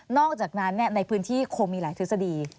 อกจากนั้นในพื้นที่คงมีหลายทฤษฎี